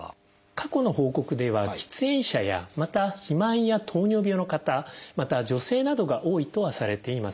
過去の報告では喫煙者やまた肥満や糖尿病の方また女性などが多いとはされています。